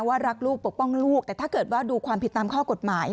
ว่ารักลูกปกป้องลูกแต่ถ้าเกิดว่าดูความผิดตามข้อกฎหมาย